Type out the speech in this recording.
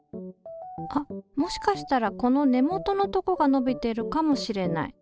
あっもしかしたらこの根元のとこが伸びてるかもしれない。